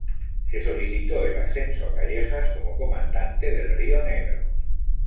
Se solicitó el ascenso a Callejas como comandante del río Negro.